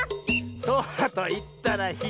「そらといったらひろい！」